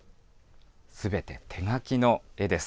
すべて手書きの絵です。